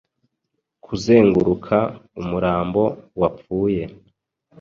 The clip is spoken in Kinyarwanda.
Kuzenguruka umurambo wapfuye